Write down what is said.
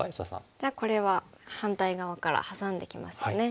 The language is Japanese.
じゃあこれは反対側からハサんできますよね。